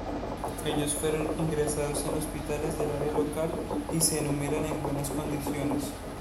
Ellos fueron ingresados en hospitales del área local y se enumeran en buenas condiciones.